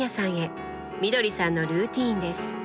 みどりさんのルーティーンです。